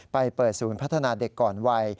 ไปเปิดศูนย์พัฒนาเด็กก่อนวัย